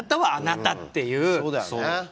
そうだよね。